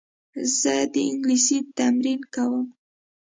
زه د انګلیسي تمرین کوم.